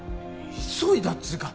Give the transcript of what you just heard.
急いだっつーか